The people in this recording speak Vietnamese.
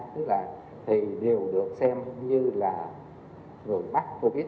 tức là thì đều được xem như là người mắc covid